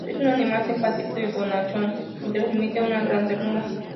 Es un animal simpático y bonachón y transmite una gran ternura.